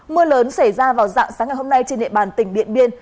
mưa lớn xảy ra vào dạng sáng ngày hôm nay trên địa bàn tỉnh điện biên